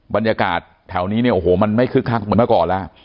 บรรยากาศแถวนี้เนี่ยโอ้โหมันไม่คึกคักเหมือนเมื่อก่อนแล้ว